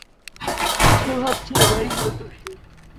সে ভাবছে এবারই হয়তো শেষ।